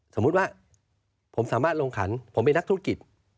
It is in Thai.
สมมุติว่าผมสามารถลงขันผมเป็นนักธุรกิจ